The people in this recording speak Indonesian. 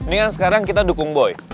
ini kan sekarang kita dukung boy